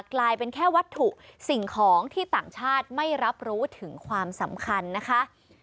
กลายเป็นแค่วัตถุสิ่งของที่ต่างชาติไม่รับรู้ถึงความสำคัญนะคะ